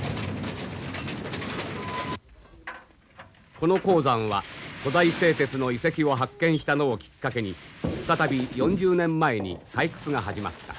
この鉱山は古代製鉄の遺跡を発見したのをきっかけに再び４０年前に採掘が始まった。